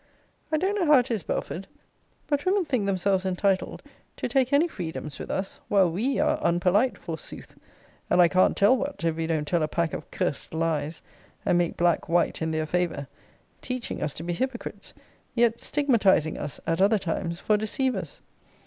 I don't know how it is, Belford; but women think themselves entitled to take any freedoms with us; while we are unpolite, forsooth, and I can't tell what, if we don't tell a pack of cursed lies, and make black white, in their favour teaching us to be hypocrites, yet stigmatizing us, at other times, for deceivers.